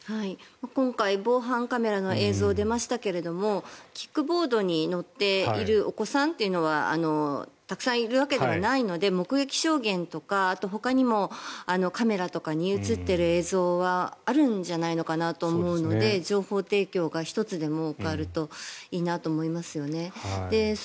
今回、防犯カメラの映像が出ましたけれどもキックボードに乗っているお子さんというのはたくさんいるわけではないので目撃証言とかほかにもカメラとかに映っている映像はあるんじゃないのかなと思うので情報提供が１つでも多くあるといいなと思いますよね。